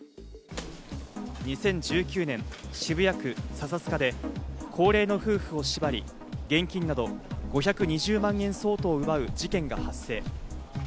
２０１９年、渋谷区笹塚で高齢の夫婦を縛り、現金など５２０万円相当を奪う事件が発生。